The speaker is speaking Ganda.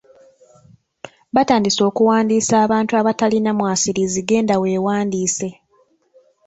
Batandise okuwandiisa abantu abatalina mwasirizi genda weewandiise.